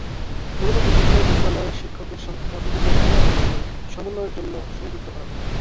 মূলত বিভিন্ন বিদ্যালয়ে শিক্ষকের সংখ্যা বিবেচনায় নিয়ে সমন্বয়ের জন্য সংযুক্ত করা হয়।